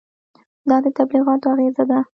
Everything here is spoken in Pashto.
دا د تبلیغاتو اغېزه ده.